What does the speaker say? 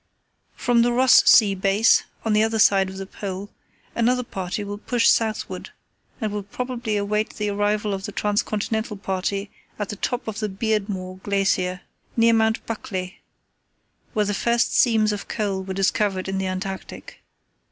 "From the Ross Sea base, on the other side of the Pole, another party will push southward and will probably await the arrival of the Trans continental party at the top of the Beardmore Glacier, near Mount Buckley, where the first seams of coal were discovered in the Antarctic.